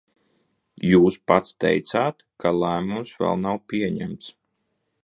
Jūs pats teicāt, ka lēmums vēl nav pieņemts.